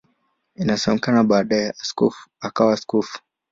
Inasemekana baadaye akawa askofu.